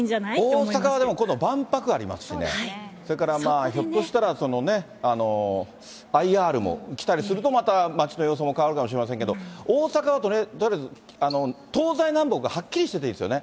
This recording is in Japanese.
大阪はでも、今度、万博ありますしね、それからひょっとしたら、そのね、ＩＲも来たりすると、また町の様相が変わるかもしれませんけど、大阪はとりあえず、東西南北がはっきりしてていいですよね。